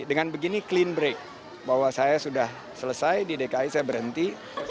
dengan begini clean break bahwa saya sudah selesai di dki saya berhenti